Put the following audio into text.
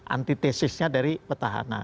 antitesisnya dari petahana